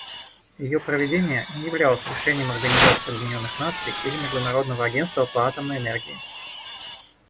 Ее проведение не являлось решением Организации Объединенных Наций или Международного агентства по атомной энергии.